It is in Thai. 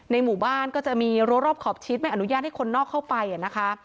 หมู่บ้านก็จะมีรั้วรอบขอบชิดไม่อนุญาตให้คนนอกเข้าไปนะคะ